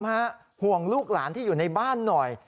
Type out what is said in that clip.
ห่วงลูกหลานที่อยู่ในบ้านหน่อย